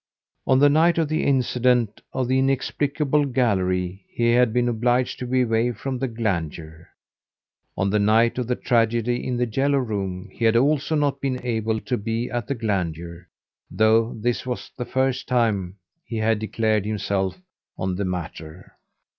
On the night of the incident of the inexplicable gallery he had been obliged to be away from the Glandier. On the night of the tragedy in "The Yellow Room" he had also not been able to be at the Glandier, though this was the first time he had declared himself on the matter.